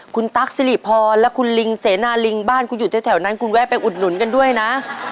คุณตั๊กสิริพรและคุณลิงเสนาลิงบ้านคุณอยู่แถวนั้นคุณแวะไปอุดหนุนกันด้วยนะ